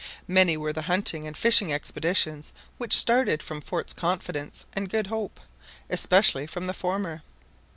Many were the hunting and fishing expeditions which started from Forts Confidence and Good Hope, especially from the former.